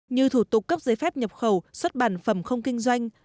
như thủ tục cấp giấy phép nhập khẩu xuất bản phẩm không kinh doanh